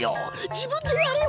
自分でやれよ